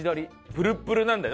プルップルなんだよ。